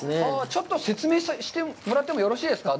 ちょっと説明してもらってもよろしいですか。